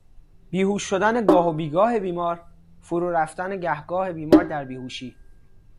بیهوش شدن گاه و بیگاه بیمار، فرو رفتن گهگاه بیمار در بیهوشی